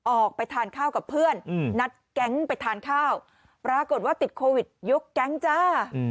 ออกไปทานข้าวกับเพื่อนนัดแก๊งไปทานข้าวปรากฏว่าติดโควิดยกแก๊งจ้า